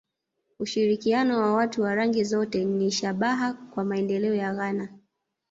Ushirikiano wa watu wa rangi zote ni shabaha kwa maendeleo ya Ghana